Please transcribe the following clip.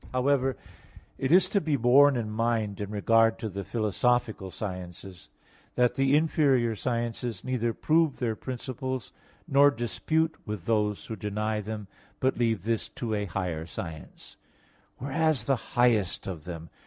However, it is to be borne in mind, in regard to the philosophical sciences, that the inferior sciences neither prove their principles nor dispute with those who deny them, but leave this to a higher science; whereas the highest of them, viz.